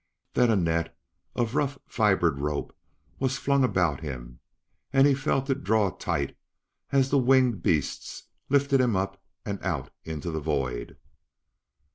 Then a net of rough fibered rope was flung about him, and he felt it draw tight as the winged beasts lifted him up and out into the void.